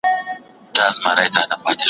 چېرته ليري په شنو غرونو كي ايسار وو